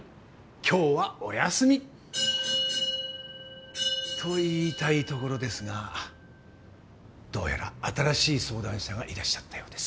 今日はお休み。と言いたいところですがどうやら新しい相談者がいらっしゃったようです。